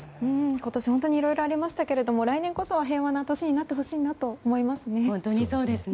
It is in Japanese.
今年、本当にいろいろありましたけど来年こそ平和な年になってほしいと思いますね。